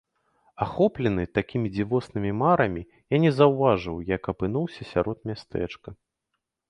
Ахоплены такімі дзівоснымі марамі, я не заўважыў, як апынуўся сярод мястэчка.